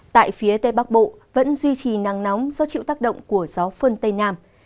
tại phía tây bắc bộ vẫn duy trì nắng nóng do chịu tác động của gió phơn tây nam